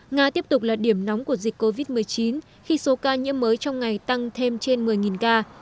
nga tiếp tục là điểm nóng của dịch covid một mươi chín khi số ca nhiễm mới trong ngày tăng thêm trên một mươi ca